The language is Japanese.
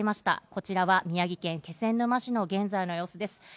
こちらは宮城県気仙沼市の現在の様子です。